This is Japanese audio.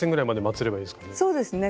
そうですね。